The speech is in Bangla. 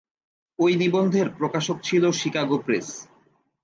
ওই নিবন্ধের প্রকাশক ছিলো শিকাগো প্রেস।